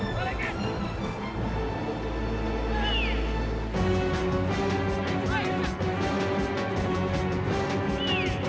kalau jalan lihat lihat